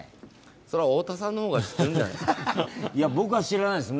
それは太田さんの方が知ってるんじゃないですか？